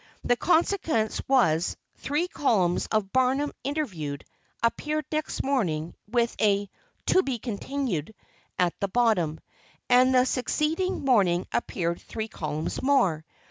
The consequence was, three columns of "Barnum Interviewed" appeared next morning with a "To be continued" at the bottom; and the succeeding morning appeared three columns more.